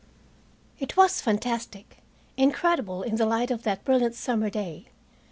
It was fantastic, incredible in the light of that brilliant summer day.